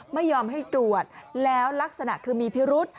ไม่ยอมให้ตรวจแล้วลักษณะคือมีพิรุษ